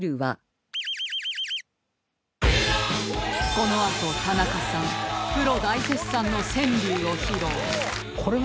このあと田中さんプロ大絶賛の川柳を披露！